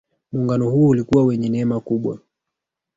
Muungano huo ulikuwa wenye neema kubwa